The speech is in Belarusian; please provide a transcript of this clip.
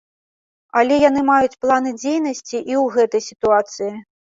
Але яны маюць планы дзейнасці і ў гэтай сітуацыі.